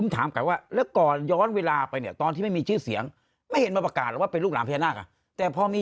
แต่พอมีชื่อเสียงปั๊บประกาศว่าเป็นลูกหลานพยานาคทันที